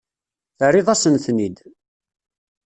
Terriḍ-asen-ten-id.